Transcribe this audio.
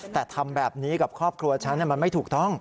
แต่ทำแบบนี้กับครอบครัวฉันมันไม่ถูกต้อง